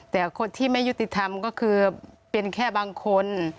แต่คนที่ไม่ยุติธรรมก็คือเป็นแค่บางคน